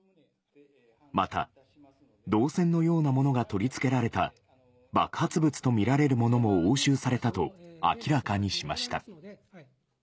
また銅線のようなものが取り付けられた爆発物と見られるものも押収されたと明らかにしました。